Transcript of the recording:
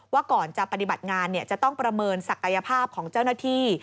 ว่าก่อนจะปฏิบัติงานจะต้องประเมินศักยภาพของเจ้าหน้าที่